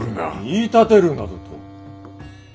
言い立てるなどと。